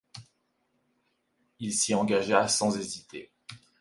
Il s’y engagea sans hésiter.